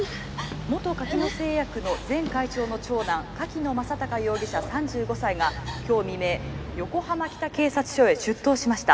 元柿野製薬の前会長の長男柿野正隆容きょう未明横浜北警察署へ出頭しました。